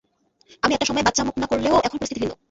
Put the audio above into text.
আমি একটা সময়ে বাচ্চামোপনা করলেও এখন পরিস্থিতি ভিন্ন।